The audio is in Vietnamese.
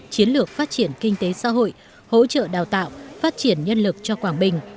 chiến lược phát triển kinh tế xã hội hỗ trợ đào tạo phát triển nhân lực cho quảng bình